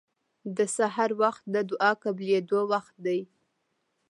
د سحر وخت د دعا قبلېدو وخت دی.